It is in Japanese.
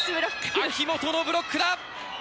秋本のブロックだ。